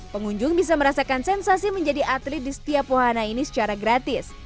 pengunjung bisa merasakan sensasi menjadi atlet di setiap wahana ini secara gratis